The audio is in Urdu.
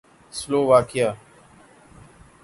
سلوواکیہ